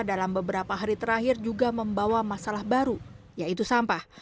dalam beberapa hari terakhir juga membawa masalah baru yaitu sampah